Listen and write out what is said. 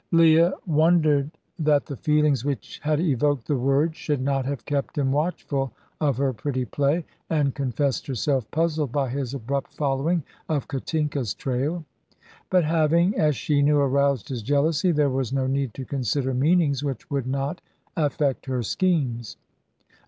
Leah wondered that the feelings which had evoked the word should not have kept him watchful of her pretty play, and confessed herself puzzled by his abrupt following of Katinka's trail. But having, as she knew, aroused his jealousy, there was no need to consider meanings which would not affect her schemes.